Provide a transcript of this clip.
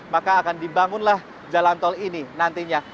maka akan dibangunlah jalan tol ini nantinya